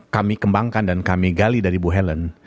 kami kembangkan dan kami gali dari bu helen